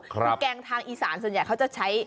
คือแกงทางอีสานส่วนใหญ่เขาจะใช้